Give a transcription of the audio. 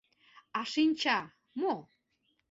А шинча — мо?